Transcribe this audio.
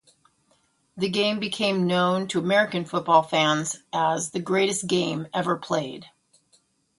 The game became known to American football fans as "The Greatest Game Ever Played".